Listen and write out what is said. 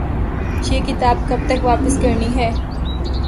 یہ کتاب کب تک واپس کرنی ہے؟